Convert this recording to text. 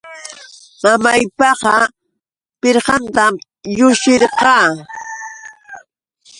Mamaypa pirqantam llushirqaa.